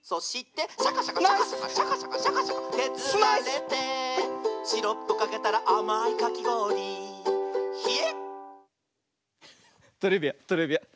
「シャカシャカシャカシャカシャカシャカシャカシャカけずられて」「シロップかけたらあまいかきごおりヒエっ！」トレビアントレビアン。